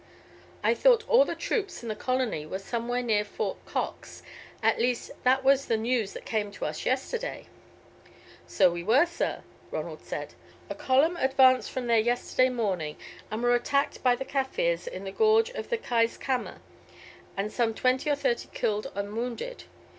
I thought all the troops in the colony were somewhere near Fort Cox, at least that was the news that came to us yesterday." "So we were, sir," Ronald said. "A column advanced from there yesterday morning, and were attacked by the Kaffirs in the gorge of the Keiskamma and some twenty or thirty killed and wounded.